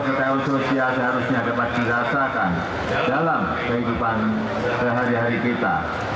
kekayaan sosial seharusnya dapat dirasakan dalam kehidupan sehari hari kita